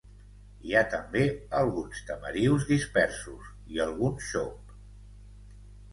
Hi ha també alguns tamarius dispersos i algun xop.